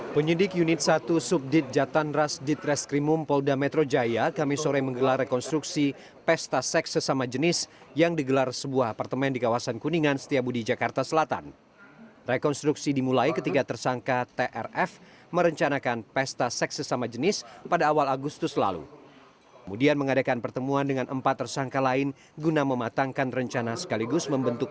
pesta sek sesama jenis